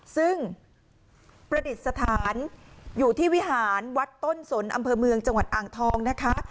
ซึ่งประดิษฐานอยู่ที่วิหารวัดต้นสนอำเภอเมืองจังหวัดอ่างทองนะคะ